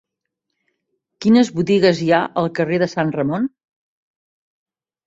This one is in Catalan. Quines botigues hi ha al carrer de Sant Ramon?